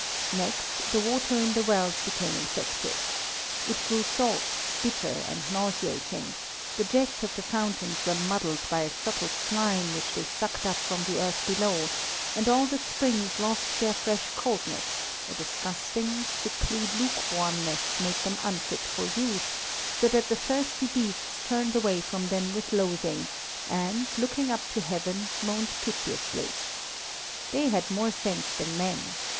Next the water in the wells became infected. It grew salt, bitter, and nauseating; the jets of the fountains were muddied by a subtle slime, which they sucked up from the earth below, and all the springs lost their fresh coldness, a disgusting, sickly lukewarmness made them unfit for use, so that the thirsty beasts turned away from them with loathing, and, looking up to heaven, moaned piteously. They had more sense than men.